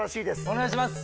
お願いします！